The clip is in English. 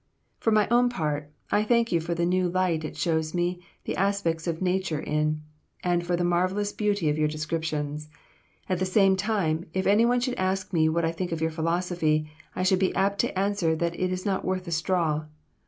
For my own part, I thank you for the new light it shows me the aspects of Nature in, and for the marvelous beauty of your descriptions. At the same time, if any one should ask me what I think of your philosophy, I should be apt to answer that it is not worth a straw.